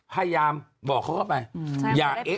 พยายามบอกเขาก็ไปอย่าแอ๊ะ